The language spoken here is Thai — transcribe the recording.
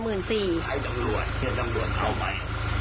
ให้ตำรวจเชิญตำรวจเอาไป